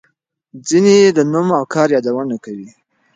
ځینې د نوم او کار یادونه کوي.